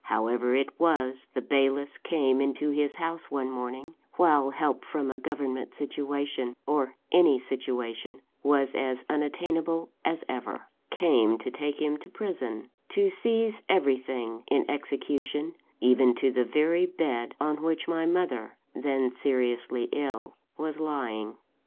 However it was, the bailiffs came into his house one morning, while help from a government situation, or any situation, was as unattainable as ever came to take him to prison: to seize everything, in execution, even to the very bed on which my mother (then seriously ill) was lying.